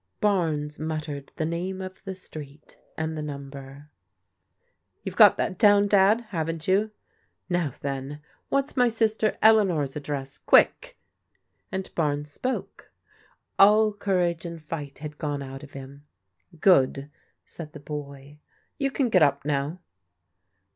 Barnes muttered the name of the street and the nimi ber. "You have got that down. Dad, haven't you? Now then,^ what's my sister Eleanor's address ? Quick !" Again Barnes spoke. All courage and fight had gone out of him. " Good," said the boy. " You can get up now."